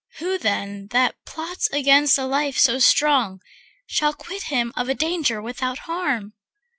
Who then that plots against a life so strong Shall quit him of the danger without harm?